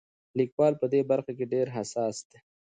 لیکوال په دې برخه کې ډېر حساس دی.